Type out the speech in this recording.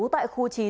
tại khu chín